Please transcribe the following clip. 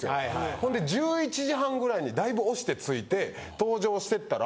ほんで１１時半ぐらいにだいぶおして着いて登場してったら。